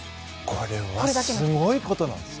これすごいことなんです。